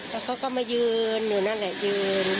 แล้วเขาก็มายืนอยู่นั่นแหละยืน